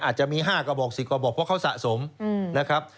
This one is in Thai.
อาจจะมี๕กระบอก๑๐กระบอกเพราะเขาสะสมนะครับ